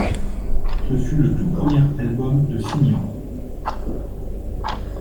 Ce fut le tout premier album de Simian.